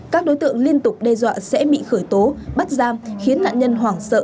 các đối tượng liên tục đe dọa sẽ bị khởi tố bắt giam khiến nạn nhân hoảng sợ